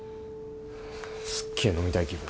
すっげえ飲みたい気分。